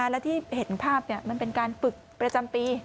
และที่เห็นภาพมันเป็นการฝึกประจำปี